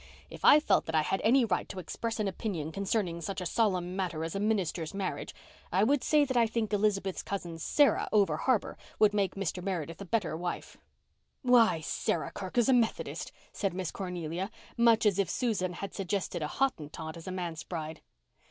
"If I felt I had any right to express an opinion concerning such a solemn matter as a minister's marriage I would say that I think Elizabeth's cousin Sarah, over harbour, would make Mr. Meredith a better wife." "Why, Sarah Kirk is a Methodist," said Miss Cornelia, much as if Susan had suggested a Hottentot as a manse bride.